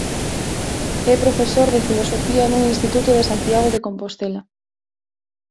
É profesor de Filosofía nun Instituto de Santiago de Compostela.